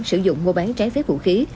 sử dụng mua bán trái phép vũ khí